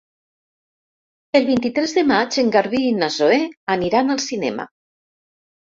El vint-i-tres de maig en Garbí i na Zoè aniran al cinema.